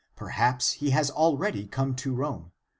Perhaps he has already come to Rome.